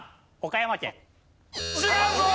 違うぞ！